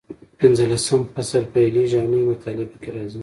پینځلسم فصل پیلېږي او نوي مطالب پکې راځي.